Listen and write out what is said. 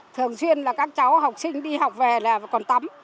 thường xuyên là các cháu học sinh đi học về là còn tắm